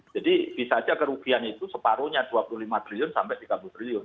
jadi bisa saja kerugian itu separuhnya dua puluh lima triliun sampai tiga puluh triliun